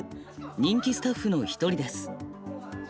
人気スタッフの１人です。